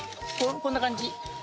こんな感じ。